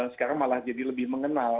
sekarang malah jadi lebih mengenal